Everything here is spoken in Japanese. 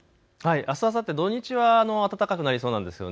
あすあさって、土日は暖かくなりそうなんですよね。